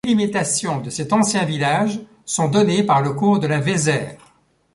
Les délimitations de cet ancien village sont données par le cours de la Vézère.